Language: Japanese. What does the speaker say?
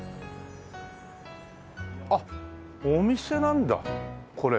あっお店なんだこれ。